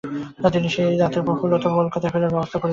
তিনি সেই রাতেই প্রফুল্লর কলকাতায় ফেরার ব্যবস্থা করেছিলেন।